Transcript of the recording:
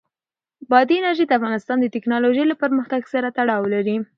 بادي انرژي د افغانستان د تکنالوژۍ له پرمختګ سره تړاو لري.